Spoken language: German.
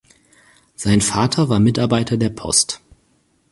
Sein Vater war Mitarbeiter der Post.